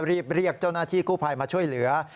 รีบเรียกเจ้าหน้าที่กู้ภัยมาช่วยเหลือ